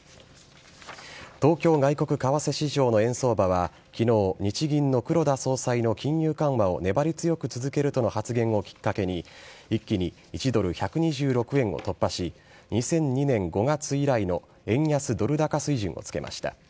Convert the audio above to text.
東京外国為替市場の円相場は昨日、日銀の黒田総裁の金融緩和を粘り強く続けるとの発言をきっかけに一気に１ドル１２６円を突破し２００２年５月以来の円安ドル高水準を付けました。